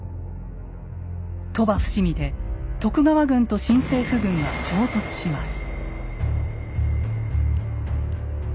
鳥羽・伏見で徳川軍と新政府軍が衝突します。